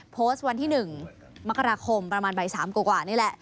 โพสต์วันที่๑มกราคมประมาณบ่าย๓กว่านี่แหละ